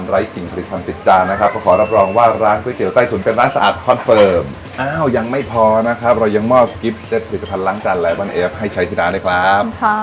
ให้ใช้ที่ร้านด้วยครับขอบคุณค่ะ